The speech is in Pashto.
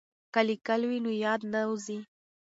که لیکل وي نو یاد نه وځي.